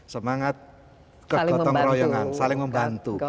semangat saling membantu